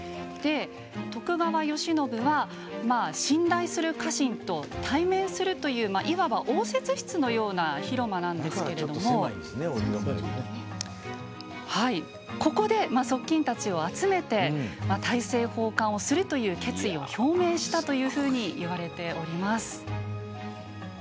徳川慶喜は信頼する家臣と対面するといういわば応接室のような広間なんですけれどもここで、側近たちを集めて大政奉還をするという決意を表明したというふうにいわれております。